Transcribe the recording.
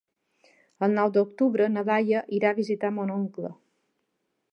El nou d'octubre na Laia irà a visitar mon oncle.